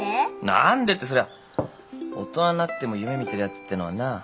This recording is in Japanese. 何でってそりゃ大人になっても夢見てるやつってのはな